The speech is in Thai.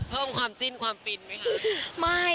เพิ่มความจิ้นความฟินไหมคะ